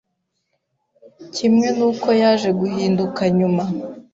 kimwe nuko yaje guhinduka nyuma